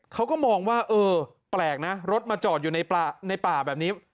เขาก็มองว่าเออแปลกนะรถมาจอดอยู่ในป่าแบบนี้